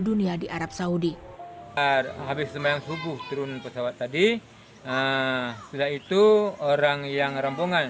dunia di arab saudi habis semayang subuh turun pesawat tadi sudah itu orang yang rompongan